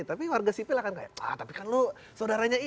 tapi warga sipil akan kayak ah tapi kan lo saudaranya ini